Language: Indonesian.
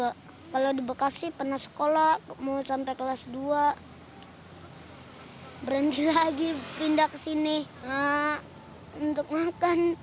kalau di bekasi pernah sekolah mau sampai kelas dua berhenti lagi pindah ke sini untuk makan